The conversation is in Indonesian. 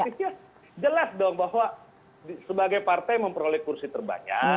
artinya jelas dong bahwa sebagai partai memperoleh kursi terbanyak